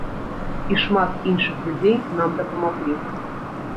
І шмат іншых людзей нам дапамаглі.